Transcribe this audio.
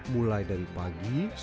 mulai dari di dalam lubang